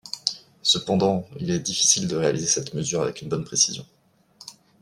Cependant, il est difficile de réaliser cette mesure avec une bonne précision.